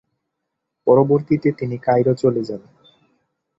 পরবর্তীতে তিনি কায়রো চলে যান।